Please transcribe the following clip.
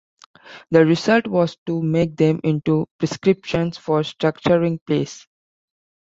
The result was to make them into prescriptions for structuring plays.